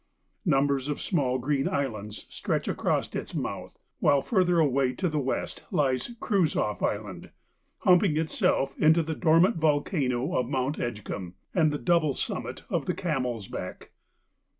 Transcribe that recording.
Numbers of small green islands stretch across its mouth, while further away to the west lies Kruzoff Island, humping itself into the dormant volcano of Mount Edgcumbe and the double summit of the Camelsback.